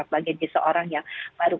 bagi seorang yang baru